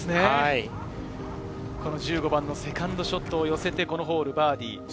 この１５番のセカンドショットを寄せて、このホール、バーディー。